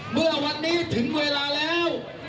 เมื่อวันนี้ถึงเวลาแล้ว